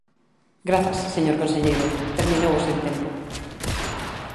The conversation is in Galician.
Grazas, señor conselleiro, terminou o seu tempo.